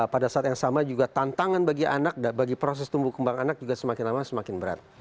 pada saat yang sama juga tantangan bagi anak bagi proses tumbuh kembang anak juga semakin lama semakin berat